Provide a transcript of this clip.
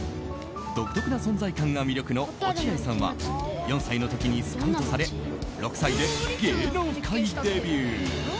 独特な存在感が魅力の落合さんは４歳の時にスカウトされ６歳で芸能界デビュー。